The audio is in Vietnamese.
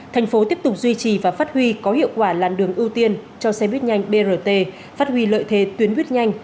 thành phố tiếp tục duy trì và phát huy có hiệu quả làn đường ưu tiên cho xe buýt nhanh brt phát huy lợi thế tuyến buýt nhanh